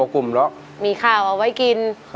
ก็มีข้าวเอาไว้กิน